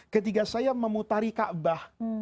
ketika saya memutari ka'bah